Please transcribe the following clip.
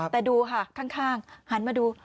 แต่ดูค่ะข้างหันมาดู